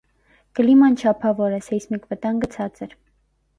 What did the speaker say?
Կլիման չափավոր է, սեյսմիկ վտանգը ցածր։